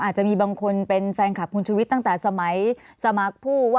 อาจจะมีบางคนเป็นแฟนคลับคุณชุวิตตั้งแต่สมัยสมัครผู้ว่า